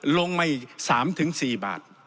ลงมา๓๔บาท